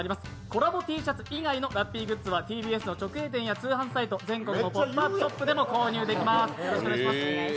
コラボＴシャツ以外のラッピーグッズはＴＢＳの直営店や通販サイト、全国のポップアップショップでも購入できます。